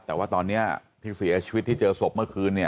แต่ว่าตอนนี้ที่เสียชีวิตที่เจอศพเมื่อคืน